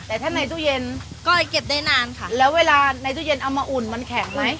แต่ถ้าในตู้เย็นก็เก็บได้นานค่ะแล้วเวลาในตู้เย็นเอามาอุ่นมันแข็งไหม